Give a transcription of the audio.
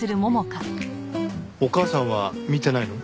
お母さんは見てないの？